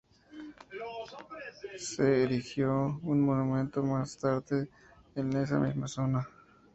Se erigió un monumento más tarde en esa misma zona.